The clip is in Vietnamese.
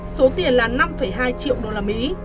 số tiền là năm hai triệu đô la mỹ